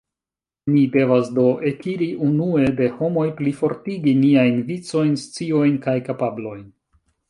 Ni devas do ekiri unue de homoj, plifortigi niajn vicojn, sciojn kaj kapablojn.